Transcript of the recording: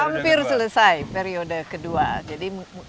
hampir selesai periode kedua jadi tahun depan ya